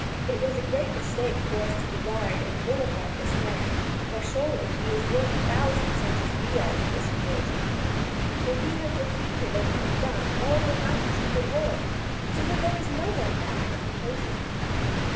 It was a great mistake for us to deride and vilify this man, for he is surely worth a thousand such as we are on this field; for he has defeated and outdone all the knights in the world, so that there is no one now that opposes him."